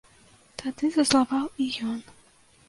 Тады зазлаваў і ён.